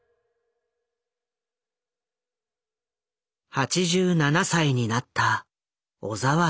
８７歳になった小澤征爾。